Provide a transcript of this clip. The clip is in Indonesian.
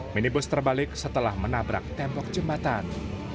minibus terbalik setelah menabrak tembok jembatan